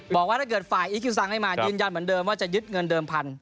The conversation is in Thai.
บอกว่าถ้าเกิดฝ่ายอีคคิวซังให้มายืนยันเหมือนเดิมว่าจะยึดเงินเดิมพัน